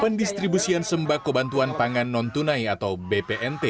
pendistribusian sembak kebantuan pangan non tunai atau bpnt